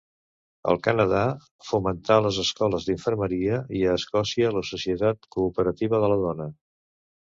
Al Canadà fomentà les escoles d'infermeria i a Escòcia la Societat Cooperativa de la Dona.